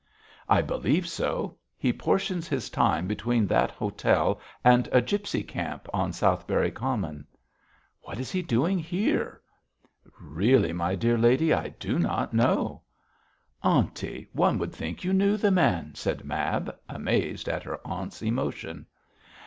'I believe so; he portions his time between that hotel and a gipsy camp on Southberry Common.' 'What is he doing here?' 'Really, my dear lady, I do not know.' 'Aunty, one would think you knew the man,' said Mab, amazed at her aunt's emotion.